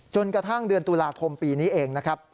จนกระทั่งเดือนตุลาคมปีนี้เองนะครับ